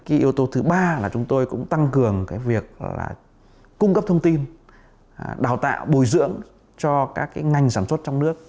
yếu tố thứ ba là chúng tôi cũng tăng cường việc cung cấp thông tin đào tạo bồi dưỡng cho các ngành sản xuất trong nước